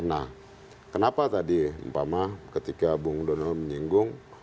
nah kenapa tadi pak ma ketika bung udonel menyinggung